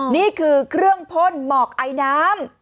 นี่คือเครื่องพ่นหมอกไอน้ำ